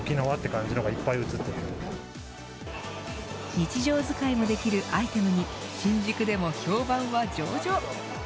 日常使いもできるアイテムに新宿でも評判は上々。